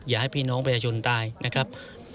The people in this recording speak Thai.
อย่าให้พี่น้องประชาชนตายนะครับ